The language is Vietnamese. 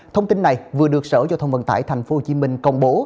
thông tin này vừa được sở giao thông vận tải tp hcm công bố